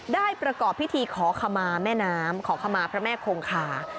ได้ประกอบพิธีขอขมาแม่น้ำขอขมาพระแม่คงคา